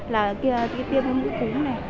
là tiêm mũi cúm này